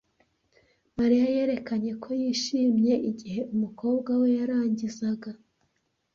Mariya yerekanye ko yishimye igihe umukobwa we yarangirizaga.